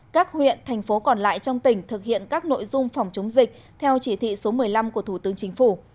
các huyện thành phố còn lại trong tỉnh thực hiện các nội dung phòng chống dịch theo chỉ thị số một mươi năm của thủ tướng chính phủ